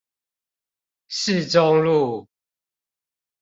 市中路